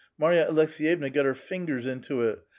Marya Aleks^yevna got her fingers into it.